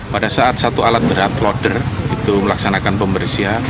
pada saat satu alat berat loader itu melaksanakan pembersihan